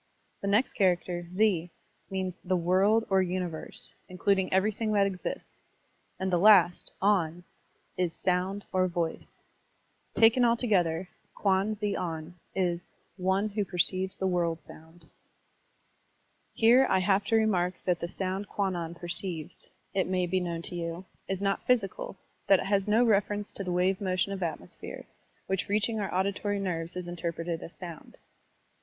The next char acter, ze, means the "world" or "universe," including everything that exists; and the last, on, is "sotmd" or "voice." Taken altogether, Kwan ze on is "one who perceives the world sotmd." Here I have to remark that the scmnd Kwan non perceives, it may be known to you, is not physical, that it' has no reference to the wave motion of atmosphere, which reaching owe audi Digitized by Google 1 62 SERMONS OF A BUDDHIST ABBOT tory nerves is interpreted as sound.